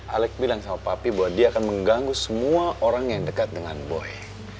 alec bilang sama papi bahwa dia akan mengganggu semua orang yang dekat dengan boy